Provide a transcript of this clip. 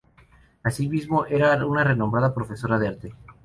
Asimismo era una renombrada profesora de arte.